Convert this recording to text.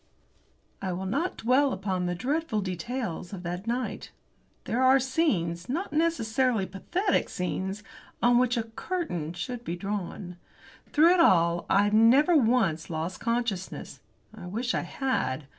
I will not dwell upon the dreadful details of that night. There are scenes, not necessarily pathetic scenes, on which a curtain should be drawn. Through it all I never once lost consciousness. I wish I had.